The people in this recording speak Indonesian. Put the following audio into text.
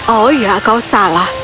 oh ya kau salah